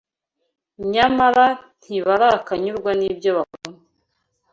nyamara ntibarakanyurwa nibyo bakora